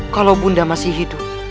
kalau bunda masih hidup